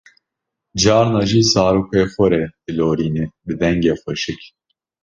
carna jî zarokê xwe re dilorîne bi dengê xweşik.